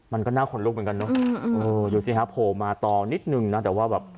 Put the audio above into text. มันก็น่าขนลุกเหมือนกันเนอะเออดูสิฮะโผล่มาต่อนิดนึงนะแต่ว่าแบบ